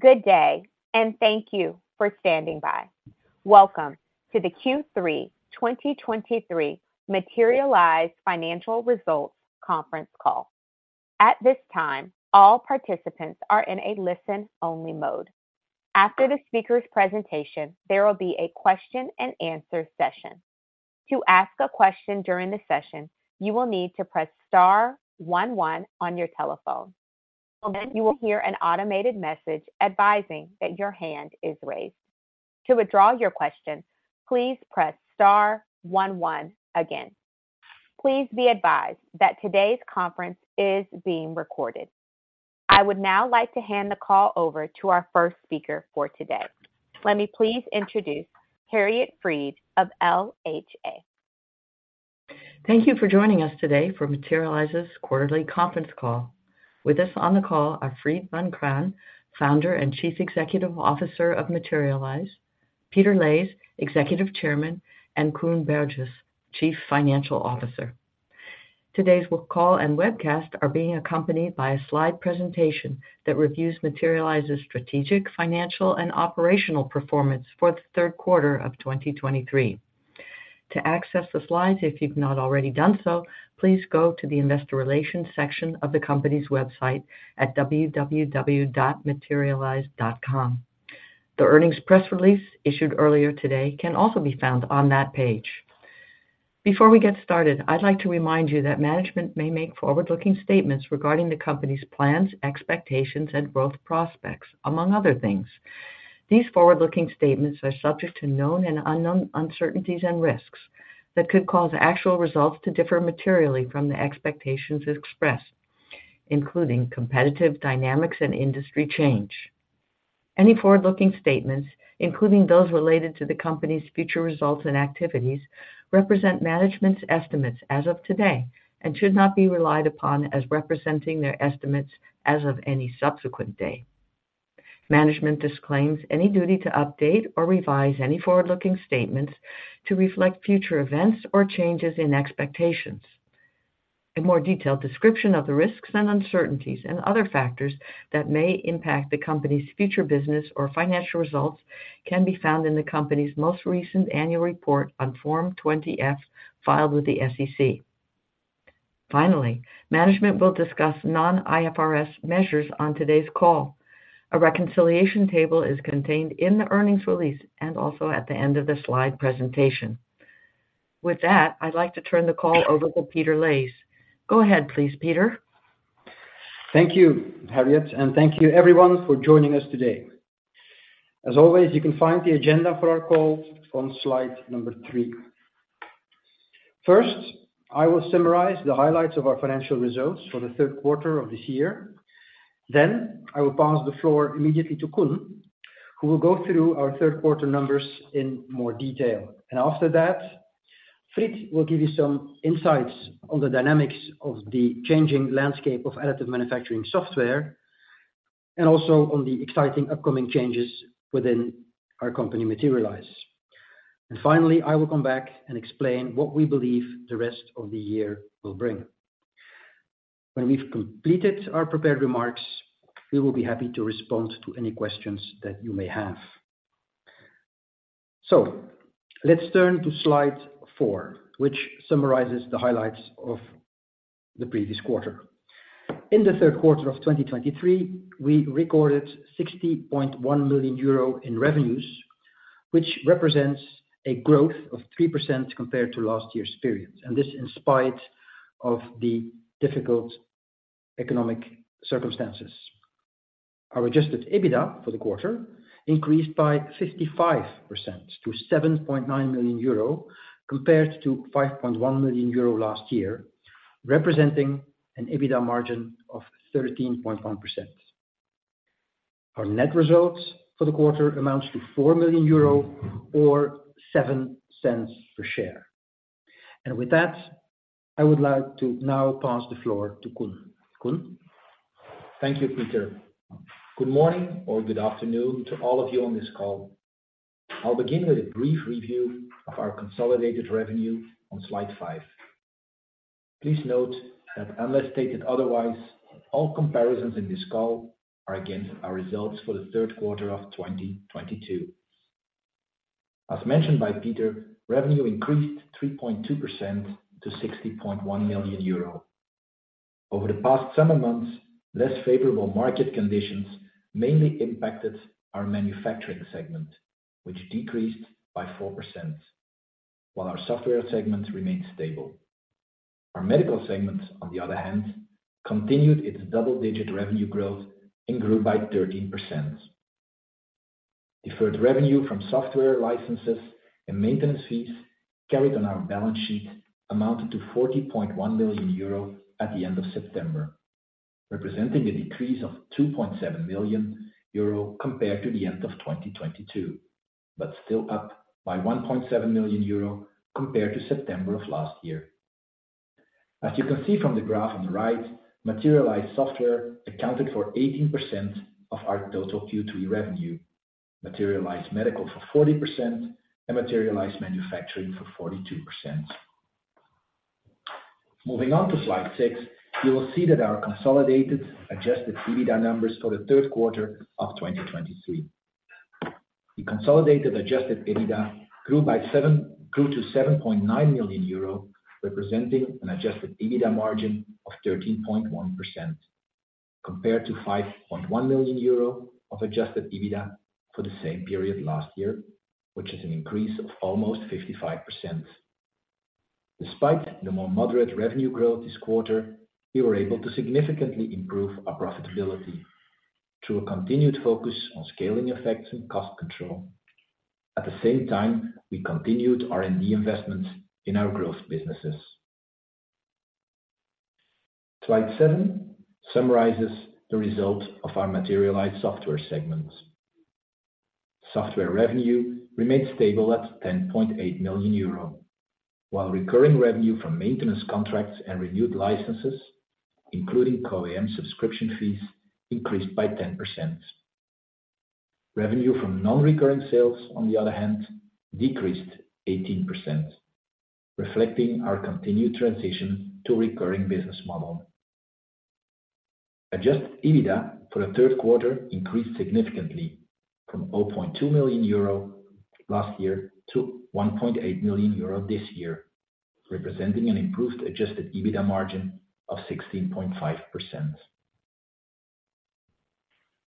Good day, and thank you for standing by. Welcome to the Q3 2023 Materialise Financial Results conference call. At this time, all participants are in a listen-only mode. After the speaker's presentation, there will be a question and answer session. To ask a question during the session, you will need to press star one one on your telephone. Then you will hear an automated message advising that your hand is raised. To withdraw your question, please press star one one again. Please be advised that today's conference is being recorded. I would now like to hand the call over to our first speaker for today. Let me please introduce Harriet Fried of LHA. Thank you for joining us today for Materialise's quarterly conference call. With us on the call are Fried Vancraen, founder and Chief Executive Officer of Materialise, Peter Leys, Executive Chairman, and Koen Berges, Chief Financial Officer. Today's call and webcast are being accompanied by a slide presentation that reviews Materialise's strategic, financial, and operational performance for the third quarter of 2023. To access the slides, if you've not already done so, please go to the investor relations section of the company's website at www.materialise.com. The earnings press release issued earlier today can also be found on that page. Before we get started, I'd like to remind you that management may make forward-looking statements regarding the company's plans, expectations, and growth prospects, among other things. These forward-looking statements are subject to known and unknown uncertainties and risks that could cause actual results to differ materially from the expectations expressed, including competitive dynamics and industry change. Any forward-looking statements, including those related to the company's future results and activities, represent management's estimates as of today and should not be relied upon as representing their estimates as of any subsequent day. Management disclaims any duty to update or revise any forward-looking statements to reflect future events or changes in expectations. A more detailed description of the risks and uncertainties and other factors that may impact the company's future business or financial results can be found in the company's most recent annual report on Form 20-F, filed with the SEC. Finally, management will discuss non-IFRS measures on today's call. A reconciliation table is contained in the earnings release and also at the end of the slide presentation. With that, I'd like to turn the call over to Peter Leys. Go ahead, please, Peter. Thank you, Harriet, and thank you everyone for joining us today. As always, you can find the agenda for our call on slide number 3. First, I will summarize the highlights of our financial results for the third quarter of this year. Then I will pass the floor immediately to Koen, who will go through our third quarter numbers in more detail. And after that, Fried will give you some insights on the dynamics of the changing landscape of additive manufacturing software and also on the exciting upcoming changes within our company, Materialise. And finally, I will come back and explain what we believe the rest of the year will bring. When we've completed our prepared remarks, we will be happy to respond to any questions that you may have. So let's turn to slide 4, which summarizes the highlights of the previous quarter. In the third quarter of 2023, we recorded 60.1 million euro in revenues, which represents a growth of 3% compared to last year's period, and this in spite of the difficult economic circumstances. Our Adjusted EBITDA for the quarter increased by 55% to 7.9 million euro, compared to 5.1 million euro last year, representing an EBITDA margin of 13.1%. Our net results for the quarter amounts to 4 million euro or $0.07 per share. And with that, I would like to now pass the floor to Koen. Koen? Thank you, Peter. Good morning or good afternoon to all of you on this call. I'll begin with a brief review of our consolidated revenue on slide 5. Please note that unless stated otherwise, all comparisons in this call are against our results for the third quarter of 2022. As mentioned by Peter, revenue increased 3.2% to 60.1 million euro. Over the past seven months, less favorable market conditions mainly impacted our manufacturing segment, which decreased by 4%, while our software segment remained stable. Our medical segment, on the other hand, continued its double-digit revenue growth and grew by 13%. Deferred revenue from software licenses and maintenance fees carried on our balance sheet amounted to 40.1 million euro at the end of September, representing a decrease of 2.7 million euro compared to the end of 2022, but still up by 1.7 million euro compared to September of last year. As you can see from the graph on the right, Materialise software accounted for 18% of our total Q3 revenue, Materialise Medical for 40%, and Materialise Manufacturing for 42%.... Moving on to slide 6, you will see that our consolidated Adjusted EBITDA numbers for the third quarter of 2023. The consolidated adjusted EBITDA grew to 7.9 million euro, representing an adjusted EBITDA margin of 13.1%, compared to 5.1 million euro of adjusted EBITDA for the same period last year, which is an increase of almost 55%. Despite the more moderate revenue growth this quarter, we were able to significantly improve our profitability through a continued focus on scaling effects and cost control. At the same time, we continued R&D investment in our growth businesses. Slide 7 summarizes the results of our Materialise Software segment. Software revenue remained stable at 10.8 million euro, while recurring revenue from maintenance contracts and renewed licenses, including CO-AM subscription fees, increased by 10%. Revenue from non-recurring sales, on the other hand, decreased 18%, reflecting our continued transition to recurring business model. Adjusted EBITDA for the third quarter increased significantly from 0.2 million euro last year to 1.8 million euro this year, representing an improved adjusted EBITDA margin of 16.5%.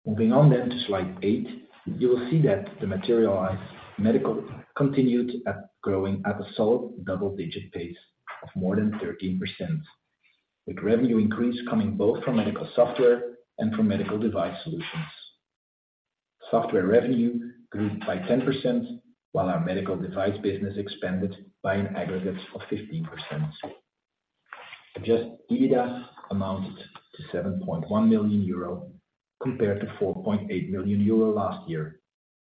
Moving on then to slide eight, you will see that the Materialise Medical continued growing at a solid double-digit pace of more than 13%, with revenue increase coming both from medical software and from medical device solutions. Software revenue grew by 10%, while our medical device business expanded by an aggregate of 15%. Adjusted EBITDA amounted to 7.1 million euro, compared to 4.8 million euro last year,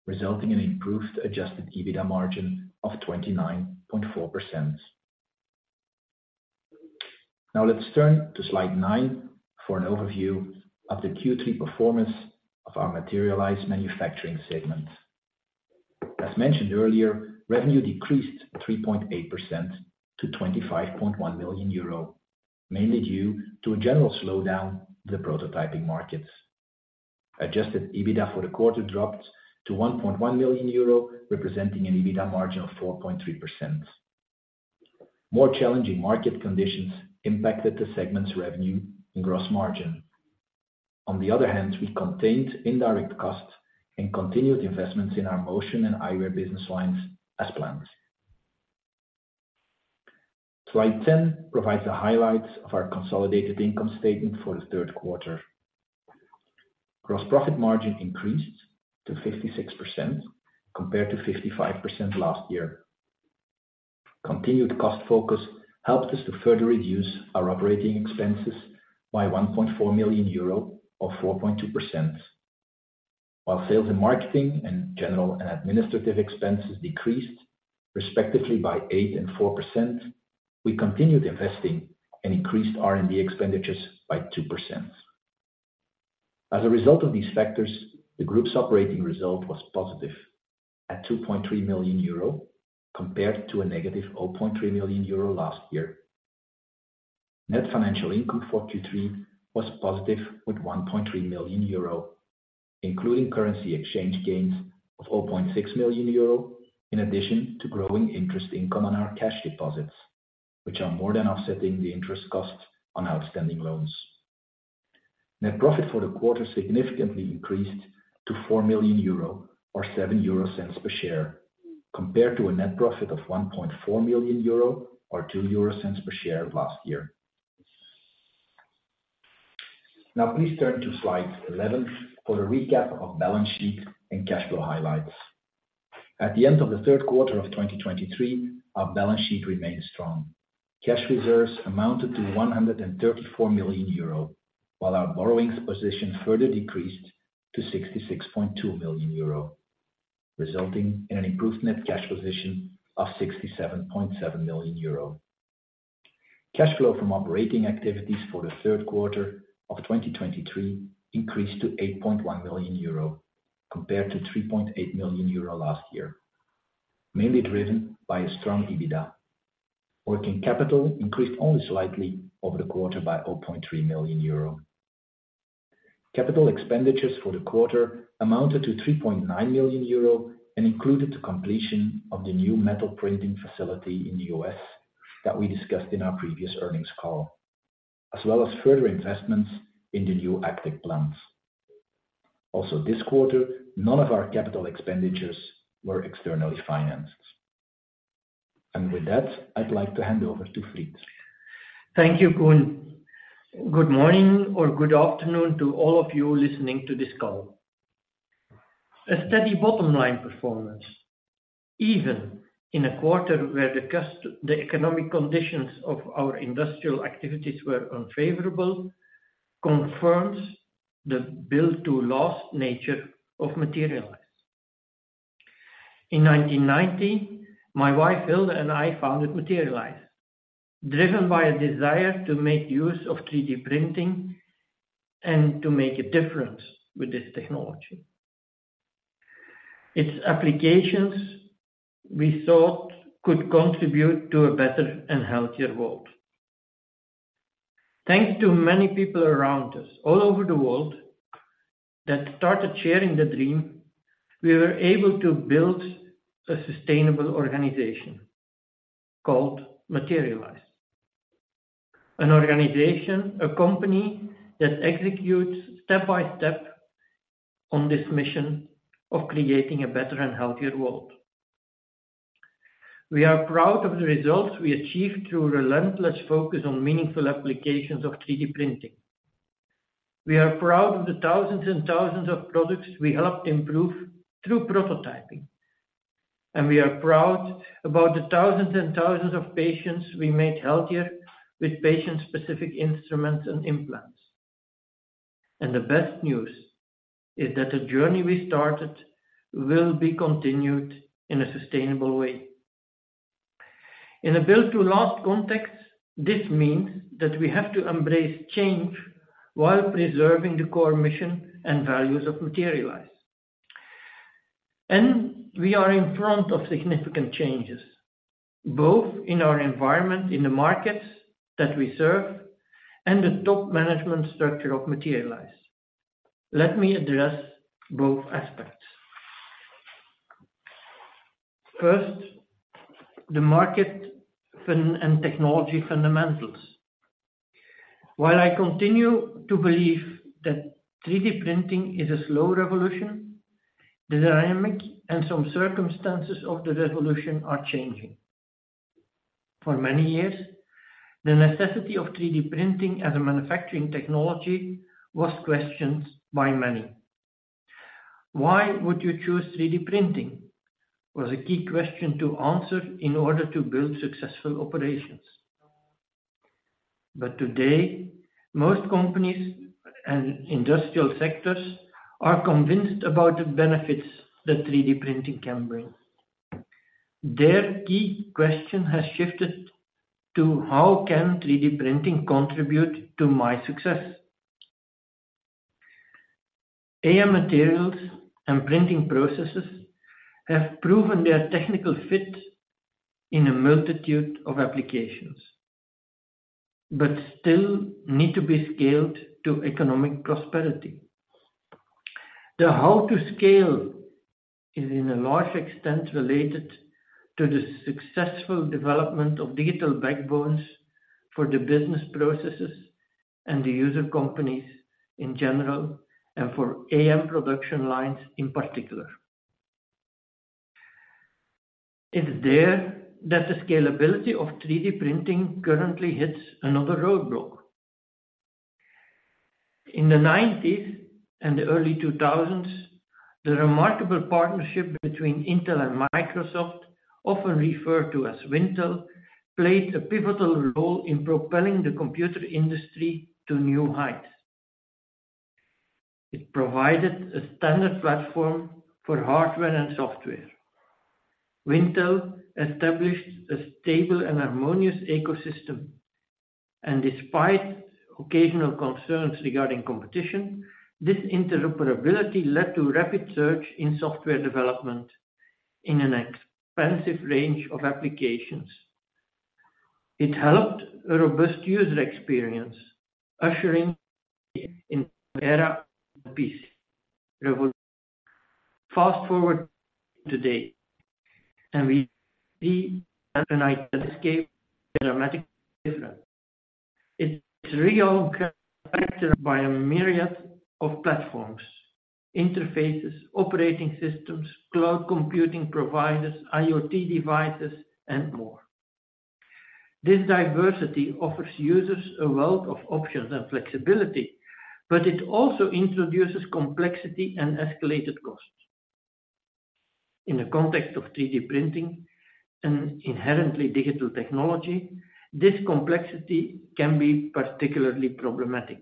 resulting in improved adjusted EBITDA margin of 29.4%. Now let's turn to slide nine for an overview of the Q3 performance of our Materialise Manufacturing segment. As mentioned earlier, revenue decreased 3.8% to 25.1 million euro, mainly due to a general slowdown in the prototyping markets. Adjusted EBITDA for the quarter dropped to 1.1 million euro, representing an EBITDA margin of 4.3%. More challenging market conditions impacted the segment's revenue and gross margin. On the other hand, we contained indirect costs and continued investments in our motion and eyewear business lines as planned. Slide 10 provides the highlights of our consolidated income statement for the third quarter. Gross profit margin increased to 56%, compared to 55% last year. Continued cost focus helped us to further reduce our operating expenses by 1.4 million euro or 4.2%. While sales and marketing and general and administrative expenses decreased, respectively, by 8% and 4%, we continued investing and increased R&D expenditures by 2%. As a result of these factors, the group's operating result was positive at 2.3 million euro, compared to a negative 0.3 million euro last year. Net financial income for Q3 was positive, with 1.3 million euro, including currency exchange gains of 0.6 million euro, in addition to growing interest income on our cash deposits, which are more than offsetting the interest costs on outstanding loans. Net profit for the quarter significantly increased to 4 million euro or 0.07 per share, compared to a net profit of 1.4 million euro or 0.02 per share last year. Now, please turn to slide 11 for the recap of balance sheet and cash flow highlights. At the end of the third quarter of 2023, our balance sheet remained strong. Cash reserves amounted to 134 million euro, while our borrowings position further decreased to 66.2 million euro, resulting in an improved net cash position of 67.7 million euro. Cash flow from operating activities for the third quarter of 2023 increased to 8.1 million euro, compared to 3.8 million euro last year, mainly driven by a strong EBITDA. Working capital increased only slightly over the quarter by 0.3 million euro. Capital expenditures for the quarter amounted to 3.9 million euro and included the completion of the new metal printing facility in the U.S. that we discussed in our previous earnings call, as well as further investments in the new ACTech plants. Also this quarter, none of our capital expenditures were externally financed. With that, I'd like to hand over to Fried. Thank you, Koen. Good morning or good afternoon to all of you listening to this call. A steady bottom line performance, even in a quarter where the economic conditions of our industrial activities were unfavorable, confirms the build to last nature of Materialise. In 1990, my wife, Hilde, and I founded Materialise, driven by a desire to make use of 3D printing and to make a difference with this technology. Its applications, we thought, could contribute to a better and healthier world. Thanks to many people around us, all over the world, that started sharing the dream, we were able to build a sustainable organization called Materialise. An organization, a company that executes step by step on this mission of creating a better and healthier world. We are proud of the results we achieved through relentless focus on meaningful applications of 3D printing. We are proud of the thousands and thousands of products we helped improve through prototyping, and we are proud about the thousands and thousands of patients we made healthier with patient-specific instruments and implants. The best news is that the journey we started will be continued in a sustainable way. In a built to last context, this means that we have to embrace change while preserving the core mission and values of Materialise. We are in front of significant changes, both in our environment, in the markets that we serve, and the top management structure of Materialise. Let me address both aspects. First, the market fundamentals and technology fundamentals. While I continue to believe that 3D printing is a slow revolution, the dynamic and some circumstances of the revolution are changing. For many years, the necessity of 3D printing as a manufacturing technology was questioned by many. Why would you choose 3D printing? Was a key question to answer in order to build successful operations. But today, most companies and industrial sectors are convinced about the benefits that 3D printing can bring. Their key question has shifted to: how can 3D printing contribute to my success? AM materials and printing processes have proven their technical fit in a multitude of applications, but still need to be scaled to economic prosperity. The how to scale is in a large extent related to the successful development of digital backbones for the business processes and the user companies in general, and for AM production lines in particular. It's there that the scalability of 3D printing currently hits another roadblock. In the 1990s and the early 2000s, the remarkable partnership between Intel and Microsoft, often referred to as Wintel, played a pivotal role in propelling the computer industry to new heights. It provided a standard platform for hardware and software. Wintel established a stable and harmonious ecosystem, and despite occasional concerns regarding competition, this interoperability led to rapid search in software development in an expansive range of applications. It helped a robust user experience, ushering in an era of PC revolution. Fast forward today, and we see an overnight landscape dramatically different. It's real, characterized by a myriad of platforms, interfaces, operating systems, cloud computing providers, IoT devices, and more. This diversity offers users a wealth of options and flexibility, but it also introduces complexity and escalated costs. In the context of 3D printing, an inherently digital technology, this complexity can be particularly problematic.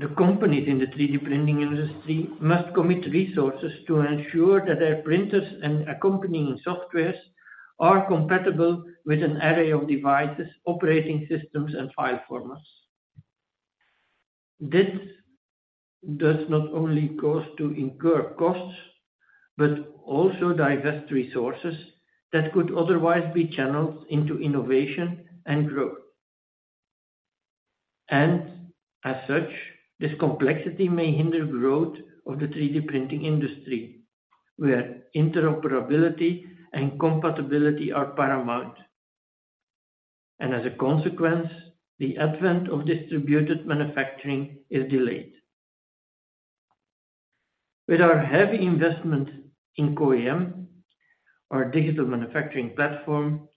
The companies in the 3D printing industry must commit resources to ensure that their printers and accompanying software are compatible with an array of devices, operating systems, and file formats. This does not only cause to incur costs, but also divert resources that could otherwise be channeled into innovation and growth. As such, this complexity may hinder growth of the 3D printing industry, where interoperability and compatibility are paramount, and as a consequence, the advent of distributed manufacturing is delayed. With our heavy investment in CO-AM, our digital manufacturing platform,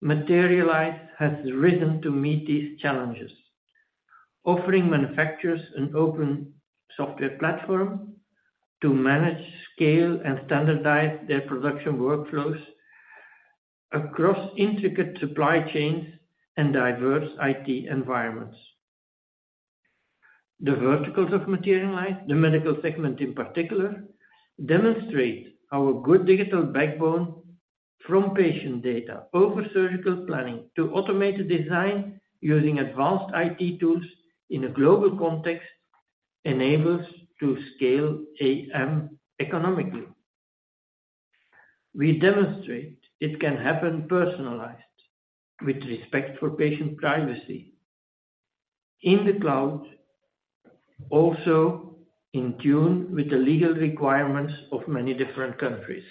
Materialise has risen to meet these challenges, offering manufacturers an open software platform to manage, scale, and standardize their production workflows across intricate supply chains and diverse IT environments. The verticals of Materialise, the medical segment in particular, demonstrate our good digital backbone... From patient data over surgical planning to automated design using advanced IT tools in a global context, enables to scale AM economically. We demonstrate it can happen personalized, with respect for patient privacy, in the cloud, also in tune with the legal requirements of many different countries.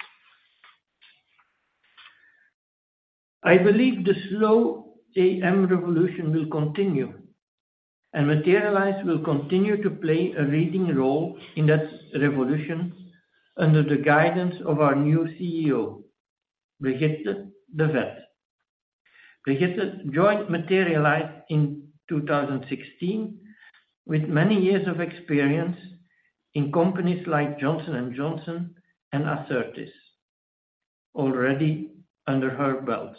I believe the slow AM revolution will continue, and Materialise will continue to play a leading role in that revolution under the guidance of our new CEO, Brigitte de Vet-Veithen. Brigitte joined Materialise in 2016, with many years of experience in companies like Johnson & Johnson and Acertys already under her belt.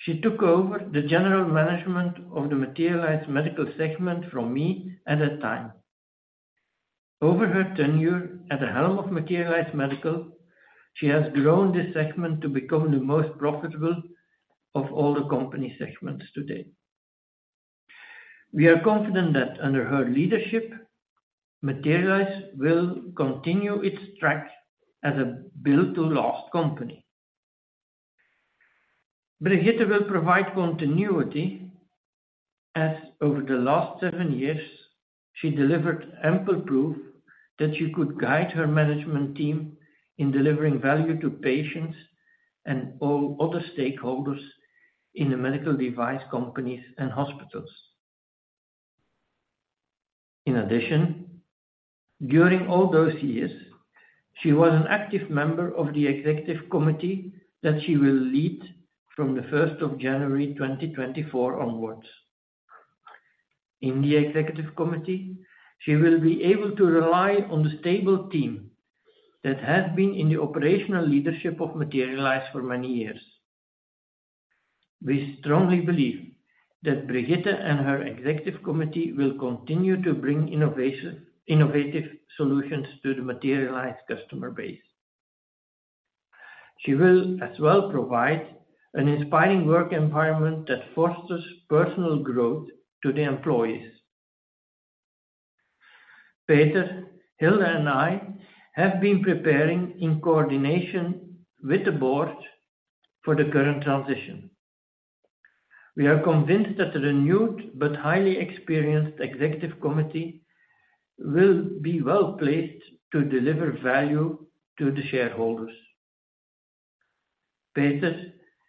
She took over the general management of the Materialise Medical segment from me at that time. Over her tenure at the helm of Materialise Medical, she has grown this segment to become the most profitable of all the company segments today. We are confident that under her leadership, Materialise will continue its track as a build-to-last company. Brigitte will provide continuity, as over the last 7 years, she delivered ample proof that she could guide her management team in delivering value to patients and all other stakeholders in the medical device, companies, and hospitals. In addition, during all those years, she was an active member of the executive committee that she will lead from the first of January 2024 onwards. In the executive committee, she will be able to rely on the stable team that has been in the operational leadership of Materialise for many years. We strongly believe that Brigitte and her executive committee will continue to bring innovation-- innovative solutions to the Materialise customer base. She will as well provide an inspiring work environment that fosters personal growth to the employees. Peter, Hilde, and I have been preparing in coordination with the board for the current transition. We are convinced that the renewed but highly experienced executive committee will be well-placed to deliver value to the shareholders. Peter,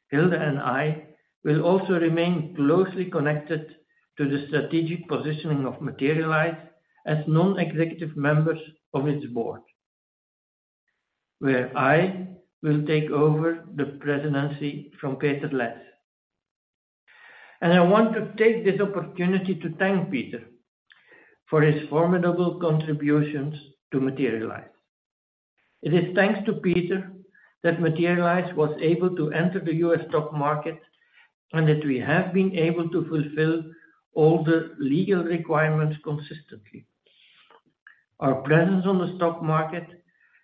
Hilde, and I will also remain closely connected to the strategic positioning of Materialise as non-executive members of its board, where I will take over the presidency from Peter Leys. And I want to take this opportunity to thank Peter for his formidable contributions to Materialise. It is thanks to Peter that Materialise was able to enter the U.S. stock market, and that we have been able to fulfill all the legal requirements consistently. Our presence on the stock market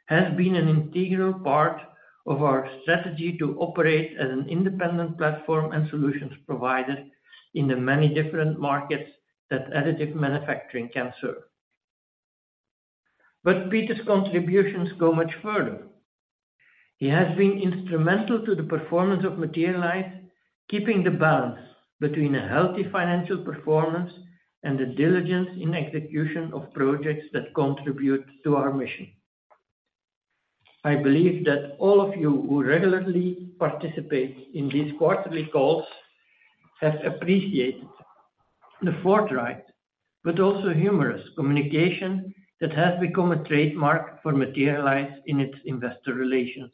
has been an integral part of our strategy to operate as an independent platform and solutions provider in the many different markets that additive manufacturing can serve. But Peter's contributions go much further. He has been instrumental to the performance of Materialise, keeping the balance between a healthy financial performance and the diligence in execution of projects that contribute to our mission. I believe that all of you who regularly participate in these quarterly calls have appreciated the forthright, but also humorous communication that has become a trademark for Materialise in its investor relations.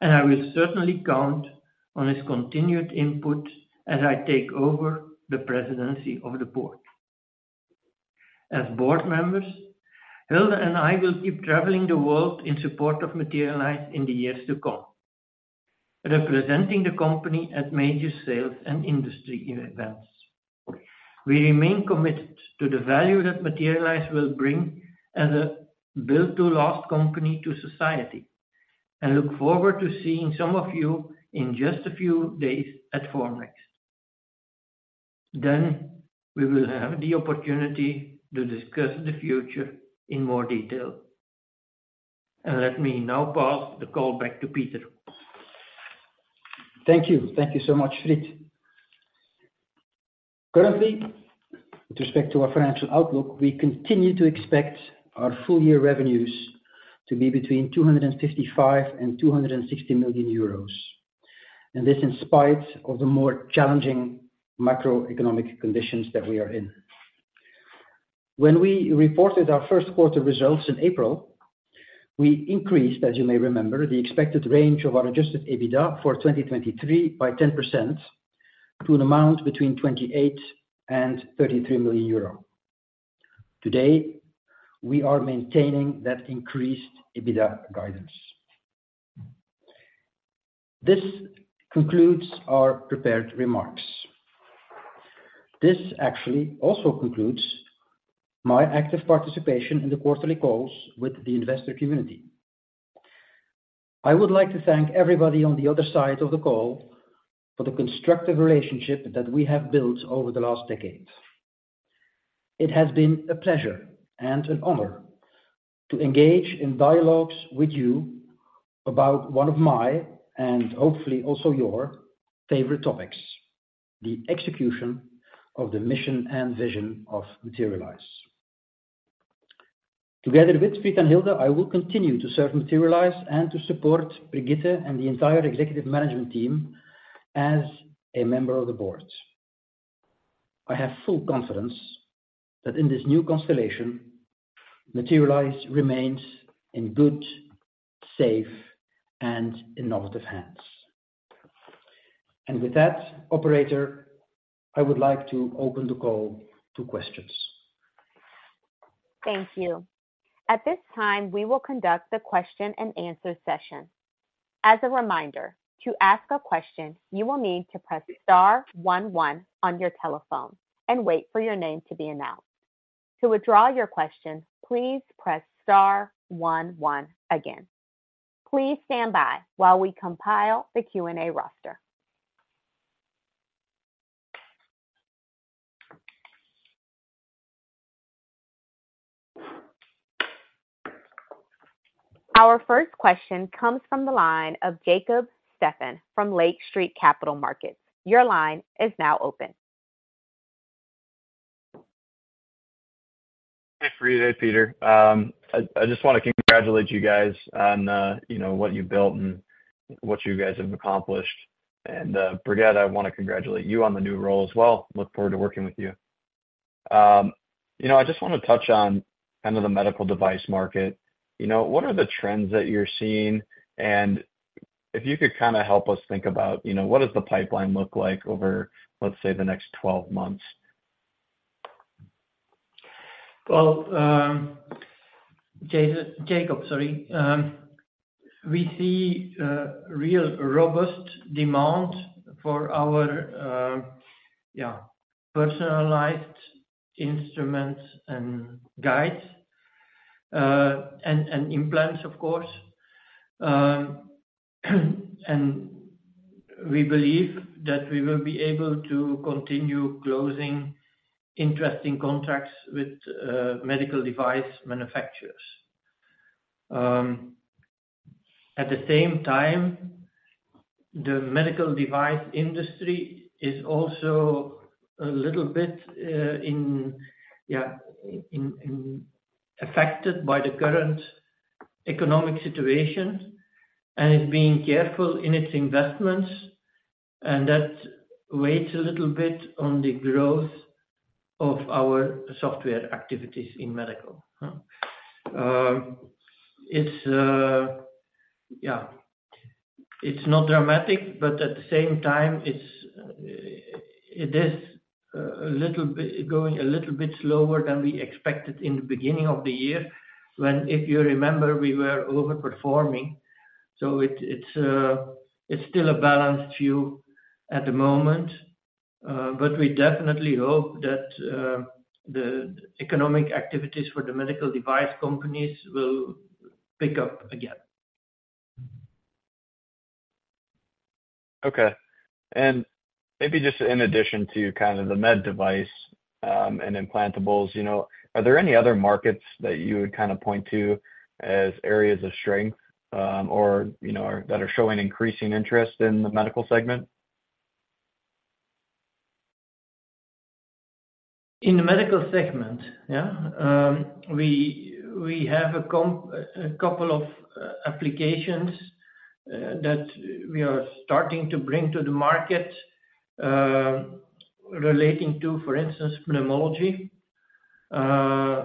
I will certainly count on his continued input as I take over the presidency of the board. As board members, Hilde and I will keep traveling the world in support of Materialise in the years to come, representing the company at major sales and industry events. We remain committed to the value that Materialise will bring as a build-to-last company to society, and look forward to seeing some of you in just a few days at Formnext. We will have the opportunity to discuss the future in more detail. Let me now pass the call back to Peter. Thank you. Thank you so much, Fried. Currently, with respect to our financial outlook, we continue to expect our full year revenues to be between 255 million and 260 million euros, and this in spite of the more challenging macroeconomic conditions that we are in. When we reported our first quarter results in April, we increased, as you may remember, the expected range of our adjusted EBITDA for 2023 by 10% to an amount between 28 million and 33 million euro. Today, we are maintaining that increased EBITDA guidance. This concludes our prepared remarks.... This actually also concludes my active participation in the quarterly calls with the investor community. I would like to thank everybody on the other side of the call for the constructive relationship that we have built over the last decade. It has been a pleasure and an honor to engage in dialogues with you about one of my, and hopefully also your, favorite topics, the execution of the mission and vision of Materialise. Together with Fried and Hilde, I will continue to serve Materialise and to support Brigitte and the entire executive management team as a member of the board. I have full confidence that in this new constellation, Materialise remains in good, safe, and innovative hands. With that, operator, I would like to open the call to questions. Thank you. At this time, we will conduct the question and answer session. As a reminder, to ask a question, you will need to press star one one on your telephone and wait for your name to be announced. To withdraw your question, please press star one one again. Please stand by while we compile the Q&A roster. Our first question comes from the line of Jacob Stephan from Lake Street Capital Markets. Your line is now open. Thanks for your day, Peter. I just want to congratulate you guys on, you know, what you built and what you guys have accomplished, and, Brigitte, I want to congratulate you on the new role as well. Look forward to working with you. I just want to touch on kind of the medical device market. You know, what are the trends that you're seeing? And if you could kind of help us think about, you know, what does the pipeline look like over, let's say, the next 12 months? Well, Jacob, sorry. We see real robust demand for our personalized instruments and guides, and implants, of course. We believe that we will be able to continue closing interesting contracts with medical device manufacturers. At the same time, the medical device industry is also a little bit, yeah, affected by the current economic situation and is being careful in its investments, and that waits a little bit on the growth of our software activities in medical. It's not dramatic, but at the same time, it is a little bit going a little bit slower than we expected in the beginning of the year, when, if you remember, we were overperforming. So it's still a balanced view at the moment, but we definitely hope that the economic activities for the medical device companies will pick up again. Okay. And maybe just in addition to kind of the med device, and implantables, you know, are there any other markets that you would kind of point to as areas of strength, or, you know, that are showing increasing interest in the medical segment? In the medical segment, yeah, we have a couple of applications that we are starting to bring to the market, relating to, for instance, pneumology,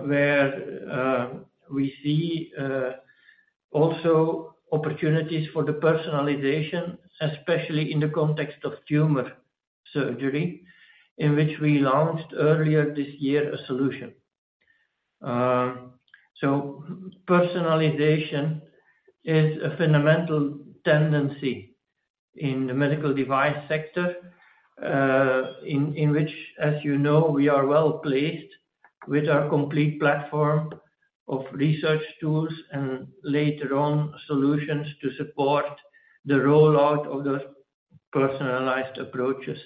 where we see also opportunities for the personalization, especially in the context of tumor surgery, in which we launched earlier this year, a solution. So personalization is a fundamental tendency in the medical device sector, in which, as you know, we are well placed with our complete platform of research tools and later on, solutions to support the rollout of those personalized approaches,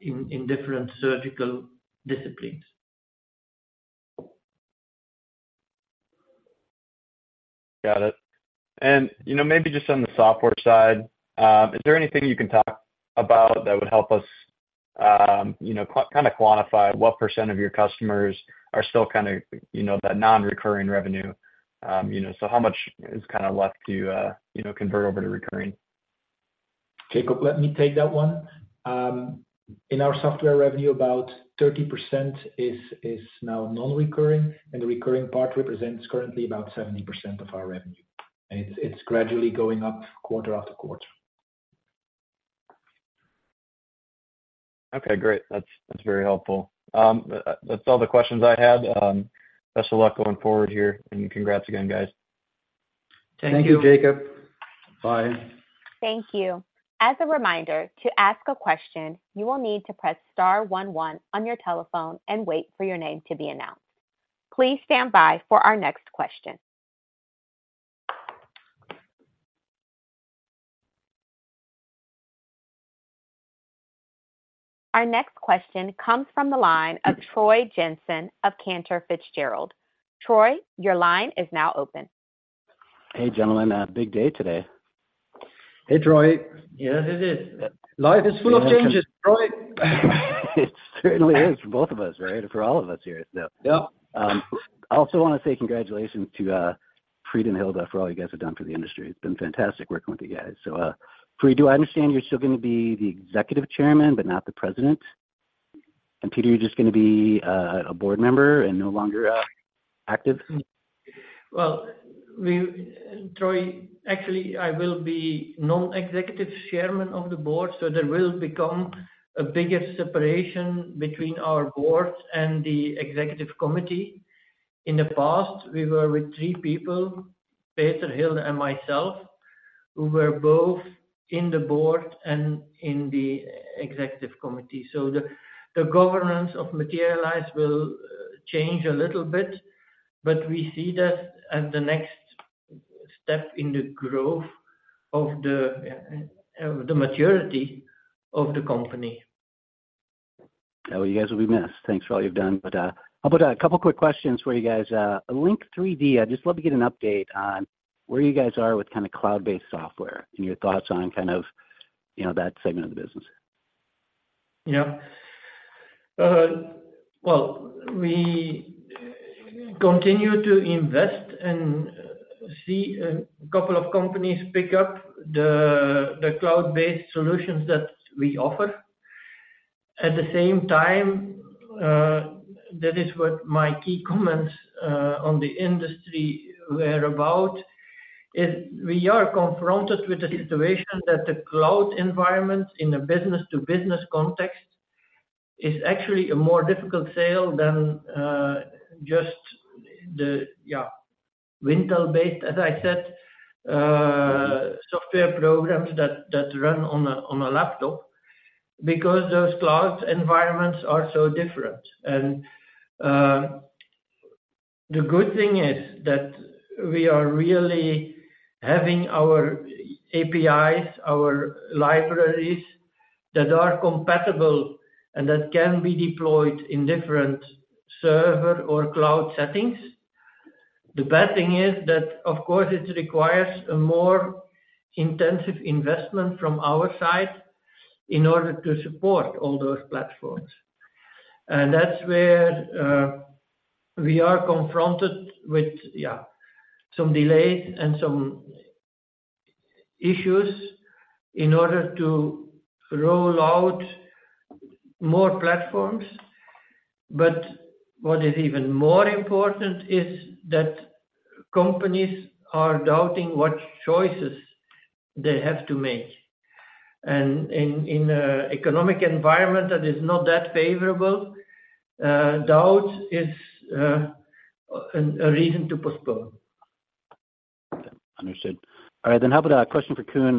in different surgical disciplines. Got it. And, you know, maybe just on the software side, is there anything you can talk about that would help us, you know, kind of quantify what percent of your customers are still kind of, you know, that non-recurring revenue? You know, so how much is kind of left to, you know, convert over to recurring? Jacob, let me take that one. In our software revenue, about 30% is now non-recurring, and the recurring part represents currently about 70% of our revenue. It's gradually going up quarter after quarter. Okay, great. That's, that's very helpful. That's all the questions I had. Best of luck going forward here, and congrats again, guys.... Thank you, Jacob. Bye. Thank you. As a reminder, to ask a question, you will need to press star one one on your telephone and wait for your name to be announced. Please stand by for our next question. Our next question comes from the line of Troy Jensen of Cantor Fitzgerald. Troy, your line is now open. Hey, gentlemen. Big day today. Hey, Troy. Yes, it is. Life is full of changes, Troy. It certainly is for both of us, right? For all of us here. Yep. I also want to say congratulations to Fried and Hilde for all you guys have done for the industry. It's been fantastic working with you guys. So, Fried, do I understand you're still gonna be the Executive Chairman, but not the President? And Peter, you're just gonna be a board member and no longer active? Well, Troy, actually, I will be non-executive chairman of the board, so there will become a bigger separation between our board and the executive committee. In the past, we were with three people, Peter, Hilde, and myself, who were both in the board and in the executive committee. So the, the governance of Materialise will change a little bit, but we see that as the next step in the growth of the, the maturity of the company. Oh, you guys will be missed. Thanks for all you've done, but, how about a couple quick questions for you guys? Link3D, I'd just love to get an update on where you guys are with kind of cloud-based software and your thoughts on kind of, you know, that segment of the business. Well, we continue to invest and see a couple of companies pick up the cloud-based solutions that we offer. At the same time, that is what my key comments on the industry were about, is we are confronted with a situation that the cloud environment in a business-to-business context is actually a more difficult sale than just the Wintel-based, as I said, software programs that run on a laptop, because those cloud environments are so different. And the good thing is that we are really having our APIs, our libraries, that are compatible and that can be deployed in different server or cloud settings. The bad thing is that, of course, it requires a more intensive investment from our side in order to support all those platforms. That's where we are confronted with, yeah, some delays and some issues in order to roll out more platforms. But what is even more important is that companies are doubting what choices they have to make. In a economic environment that is not that favorable, doubt is a reason to postpone. Understood. All right, then how about a question for Koen.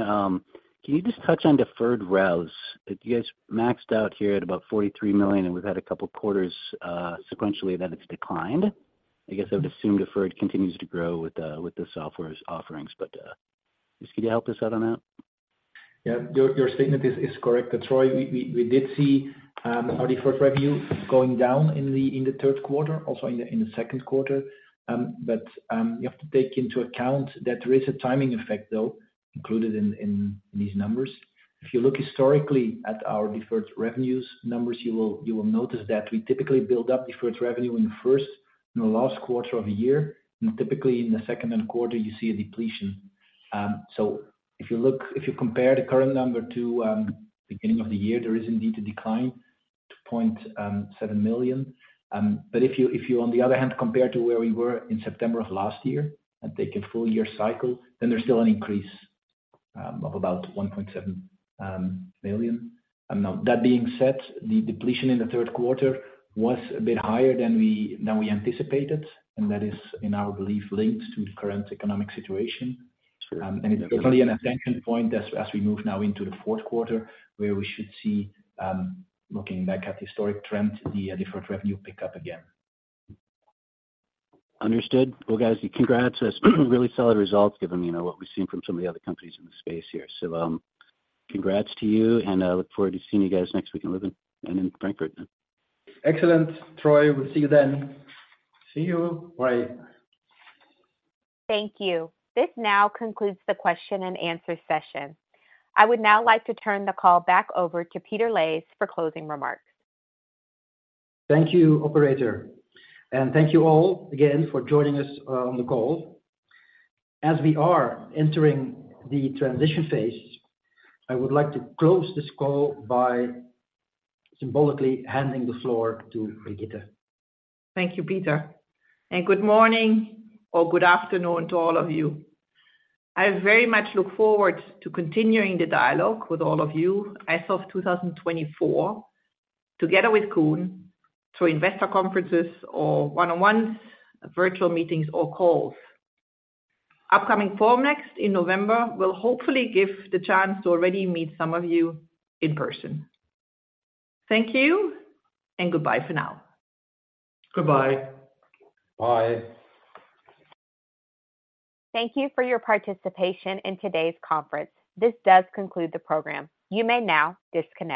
Can you just touch on deferred revs? You guys maxed out here at about 43 million, and we've had a couple quarters, sequentially, that it's declined. I guess I would assume deferred continues to grow with, with the software's offerings, but, just can you help us out on that? Yeah. Your statement is correct, Troy. We did see our deferred revenue going down in the third quarter, also in the second quarter. But you have to take into account that there is a timing effect, though, included in these numbers. If you look historically at our deferred revenue numbers, you will notice that we typically build up deferred revenue in the first and the last quarter of a year, and typically in the second quarter, you see a depletion. So if you look, if you compare the current number to beginning of the year, there is indeed a decline to 0.7 million. But if you, on the other hand, compare to where we were in September of last year and take a full year cycle, then there's still an increase of about 1.7 million. Now, that being said, the depletion in the third quarter was a bit higher than we anticipated, and that is, in our belief, linked to the current economic situation. And it's definitely an attention point as we move now into the fourth quarter, where we should see, looking back at the historic trend, the deferred revenue pick up again. Understood. Well, guys, congrats. Really solid results, given, you know, what we've seen from some of the other companies in the space here. So, congrats to you, and look forward to seeing you guys next week in Leuven and in Frankfurt. Excellent, Troy. We'll see you then. See you. Bye. Thank you. This now concludes the question and answer session. I would now like to turn the call back over to Peter Leys for closing remarks. Thank you, operator, and thank you all again for joining us on the call. As we are entering the transition phase, I would like to close this call by symbolically handing the floor to Brigitte. Thank you, Peter, and good morning or good afternoon to all of you. I very much look forward to continuing the dialogue with all of you as of 2024, together with Koen, through investor conferences or one-on-one virtual meetings or calls. Upcoming Formnext in November will hopefully give the chance to already meet some of you in person. Thank you and goodbye for now. Goodbye. Bye. Thank you for your participation in today's conference. This does conclude the program. You may now disconnect.